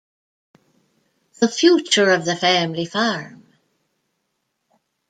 The Future of the Family Farm.